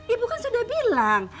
ibu kan sudah bilang